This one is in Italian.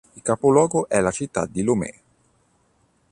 Il capoluogo è la città di Lomé.